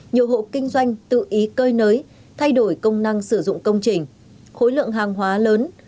nhiều hộ kinh doanh tự ý cơi nới thay đổi công năng sử dụng công trình khối lượng hàng hóa lớn